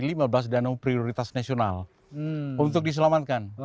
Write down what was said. dan ini dua belas danau prioritas nasional untuk diselamatkan